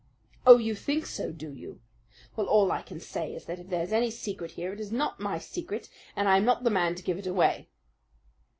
"Oh, you think so, do you? Well, all I can say is that if there's any secret here it is not my secret, and I am not the man to give it away."